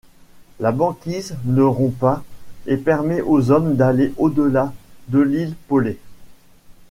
La banquise ne rompt pas et permet aux hommes d'aller au-delà de l'île Paulet.